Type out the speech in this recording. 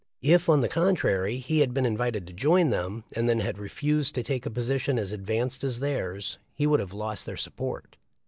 If, on the contrary, he had been invited to join them, and then had refused to take a position as advanced as theirs, he would have lost their support.